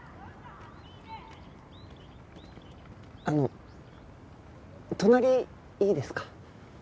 あの隣いいですか？